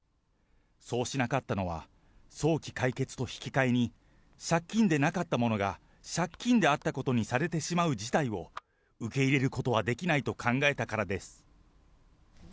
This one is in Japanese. そうしなかったのは、早期解決と引き換えに、借金でなかったものが借金であったことにされてしまう事態を、受け入れることはできないと考えたからです。